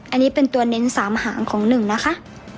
อันนี้เป็นตัวเน้น๓หางของหนึ่งนะคะ